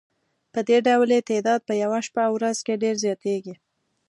پدې ډول یې تعداد په یوه شپه او ورځ کې ډېر زیاتیږي.